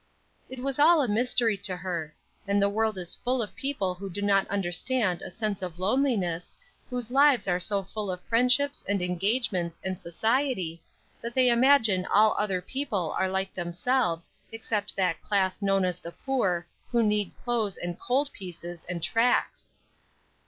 It was all a mystery to her; and the world is full of people who do not understand a sense of loneliness, whose lives are so full of friendships, and engagements, and society, that they imagine all other people are like themselves except that class known as the poor, who need old clothes, and cold pieces, and tracts!